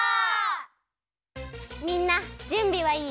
みんなじゅんびはいい？